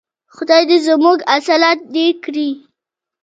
خدای دې زموږ حاصلات ډیر کړي.